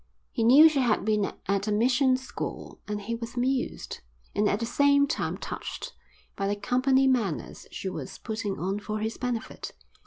He knew she had been at a mission school, and he was amused, and at the same time touched, by the company manners she was putting on for his benefit.